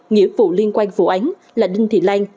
nghĩa vụ liên quan vụ án là đinh thị lan